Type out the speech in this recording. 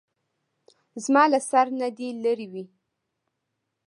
زما له سر نه دې لېرې وي.